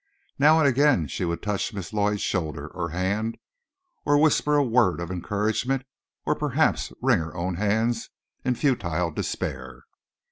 Now and again she would touch Miss Lloyd's shoulder or hand, or whisper a word of encouragement, or perhaps wring her own hands in futile despair.